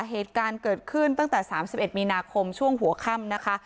เหตุการณ์เกิดขึ้นตั้งแต่๓๑มีนาคมช่วงหัวค่ำนะคะ